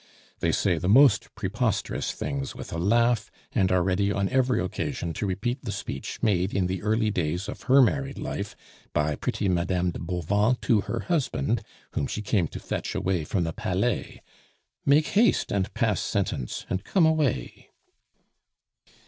They say the most preposterous things with a laugh, and are ready on every occasion to repeat the speech made in the early days of her married life by pretty Madame de Bauvan to her husband, whom she came to fetch away from the Palais: "Make haste and pass sentence, and come away."